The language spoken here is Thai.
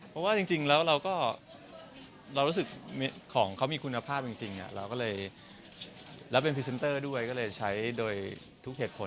เพราะว่าจริงแล้วเราก็เรารู้สึกของเขามีคุณภาพจริงเราก็เลยรับเป็นพรีเซนเตอร์ด้วยก็เลยใช้โดยทุกเหตุผล